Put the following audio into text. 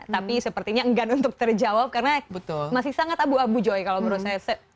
tapi sepertinya enggan untuk terjawab karena masih sangat abu abu joy kalau menurut saya